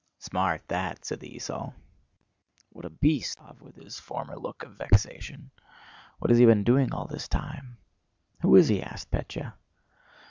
"Smart, that!" said the esaul. "What a beast!" said Denísov with his former look of vexation. "What has he been doing all this time?" "Who is he?" asked Pétya.